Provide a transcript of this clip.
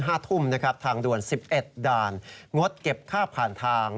ก็ถูกมีทางด่วน๑๑ด่านงดเก็บค่าผ่านทาง